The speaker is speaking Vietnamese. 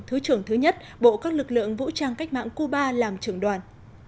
thứ trưởng thứ nhất bộ các lực lượng vũ trang cách mạng cuba làm trưởng đoàn